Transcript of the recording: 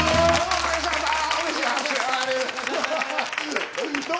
お願いします。